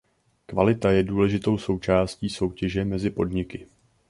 Kvalita je důležitou součástí soutěže mezi podniky.